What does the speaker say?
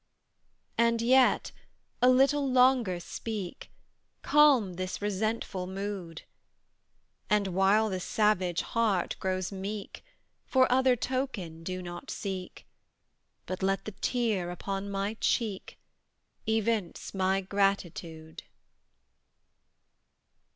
And yet a little longer speak, Calm this resentful mood; And while the savage heart grows meek, For other token do not seek, But let the tear upon my cheek Evince my gratitude!